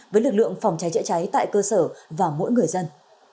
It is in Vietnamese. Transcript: với lực lượng phòng cháy chữa cháy tại cơ sở và mỗi người dân